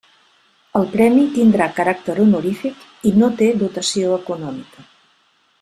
El premi tindrà caràcter honorífic i no té dotació econòmica.